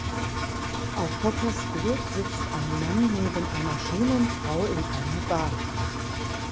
Auf Hoppers Bild sitzt ein Mann neben einer schönen Frau in einer Bar.